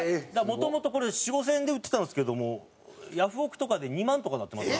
元々これ４０００５０００円で売ってたんですけどもヤフオク！とかで２万とかなってます。